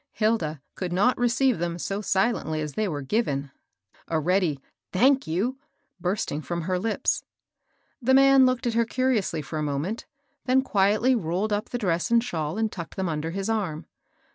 Hilda could not receive them so silently as they 944 MABEL BOSS. were given, — a ready ^^ thank you I" bursting £rom her lips. The man looked at her curiously for a moment, then quietly rolled up the dress and shawl and tucked them under his arm.